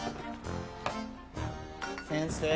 先生！